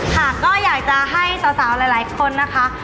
ค่ะก็อยากจะให้สาวหลายคนนะคะ